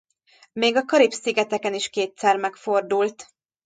Még a Karib-szigeteken is kétszer megfordult.